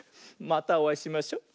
またおあいしましょ。